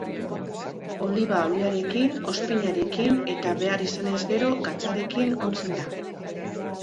Oliba olioarekin, ozpinarekin, eta, behar izanez gero, gatzarekin ontzen da.